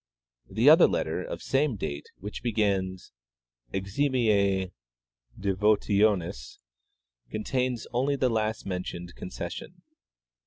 The other letter, of same date, which begins ' eximie devotionis,' contains only the last mentioned concession.